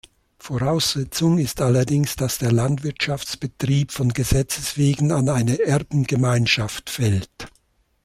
Voraussetzung ist allerdings, dass der Landwirtschaftsbetrieb von Gesetzes wegen an eine Erbengemeinschaft fällt.